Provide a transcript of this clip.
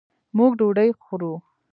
موږ ډوډۍ خورو